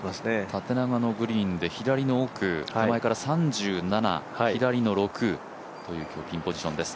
縦長のグリーンで手前の奥、左から３７、６という今日のピンポジションです。